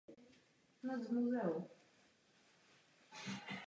Často účinkoval ve školních hrách.